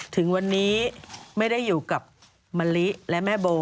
ถึงวันนี้ไม่ได้อยู่กับมะลิและแม่โบ